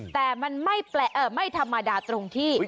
แต่มันไม่ธรรมดาตรงที่